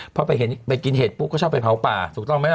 เพราะไปกินเห็ดปุ๊บก็ชอบไปเผาป่าถูกต้องไหมนะ